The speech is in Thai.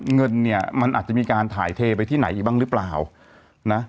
เงินเนี่ยมันอาจจะมีการถ่ายเทไปที่ไหนอีกบ้างหรือเปล่านะ